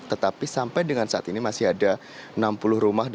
tetapi sampai dengan saat ini masih ada enam puluh rumah